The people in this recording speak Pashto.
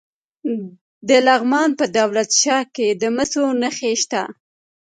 د لغمان په دولت شاه کې د مسو نښې شته.